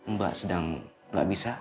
mbak sedang gak bisa